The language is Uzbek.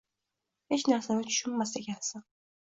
hech narsani tushunmas ekansan!